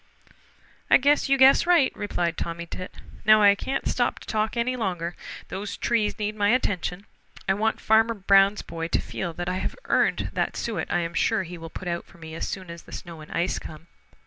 "I guess you guess right," replied Tommy Tit. "Now I can't stop to talk any longer. These trees need my attention. I want Farmer Brown's boy to feel that I have earned that suet I am sure he will put out for me as soon as the snow and ice come.